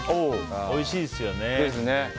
おいしいですよね。